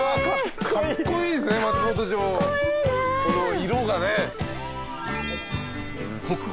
この色がね。